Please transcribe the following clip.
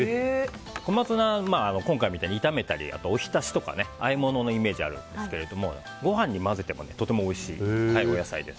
コマツナ、今回みたいに炒めたりお浸しとかあえ物のイメージがあるんですがご飯に混ぜてもとてもおいしいお野菜です。